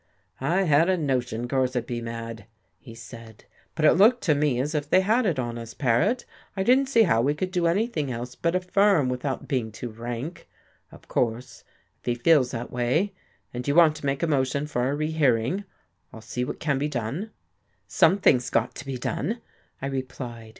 "I had a notion Gorse'd be mad," he said, "but it looked to me as if they had it on us, Paret. I didn't see how we could do anything else but affirm without being too rank. Of course, if he feels that way, and you want to make a motion for a rehearing, I'll see what can be done." "Something's got to be done," I replied.